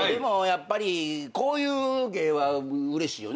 やっぱりこういう芸はうれしいよね。